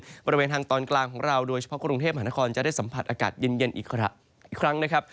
ภูมิของบริเวณทางตอนกลางของเราโดยเฉพาะกรุงเทพภานาคตสัมผัสอากาศเย็นอีกครับ